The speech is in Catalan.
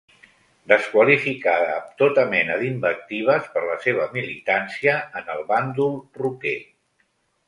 Desqualificada amb tota mena d'invectives per la seva militància en el bàndol rocker.